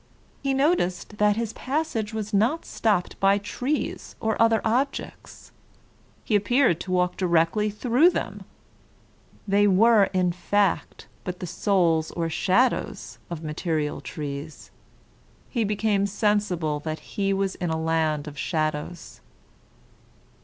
He noticed that his passage was not stopped by trees or other objects. He appeared to walk directly through them. They were, in fact, but the souls or shadows of material trees. He became sensible that he was in a land of shadows.